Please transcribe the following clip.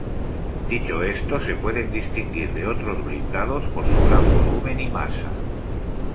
Dicho esto, se pueden distinguir de otros blindados por su gran volumen y masa.